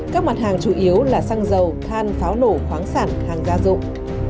các mặt hàng chủ yếu là xăng dầu than pháo nổ khoáng sản hàng gia dụng